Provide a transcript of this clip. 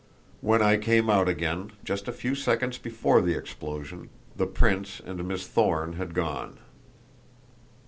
When I came out again, just a few seconds before the explosion, the prince and Miss Thorne had gone."